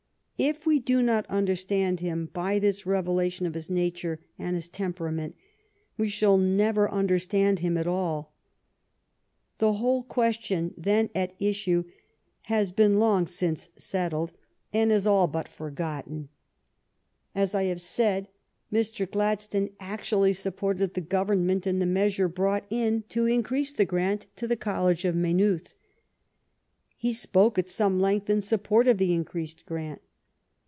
If we do not understand him by this revelation of his nature and his temperament, we shall never understand him at all. The whole question then at issue has been long since settled, and is all but GLADSTONE'S MARRIAGE 95 forgotten. As I have said, Mr. Gladstone actually supported the Government in the measure brought in to increase the grant to the College of May nooth. He spoke at some length in support of the increased grant.